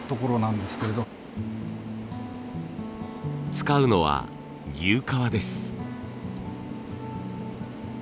使うのは牛革です。